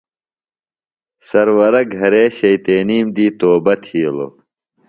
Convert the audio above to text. سرورہ گھرے شیطینیم دی توبہ تِھیلوۡ۔